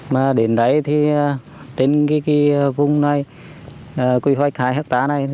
mà đến đây đến vùng này quy hoạch hai hectare này